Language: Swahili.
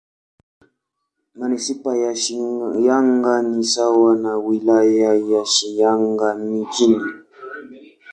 Manisipaa ya Shinyanga ni sawa na Wilaya ya Shinyanga Mjini.